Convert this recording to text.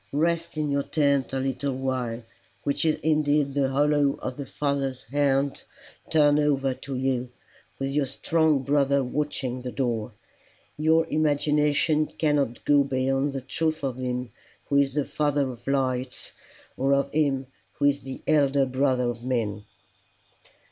Rest in your tent a little while, which is indeed the hollow of the Father's hand turned over you, with your strong brother watching the door. Your imagination cannot go beyond the truth of him who is the Father of lights, or of him who is the Elder Brother of men."